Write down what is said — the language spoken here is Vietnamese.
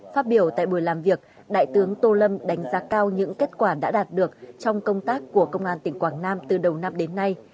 phát biểu tại buổi làm việc đại tướng tô lâm đánh giá cao những kết quả đã đạt được trong công tác của công an tỉnh quảng nam từ đầu năm đến nay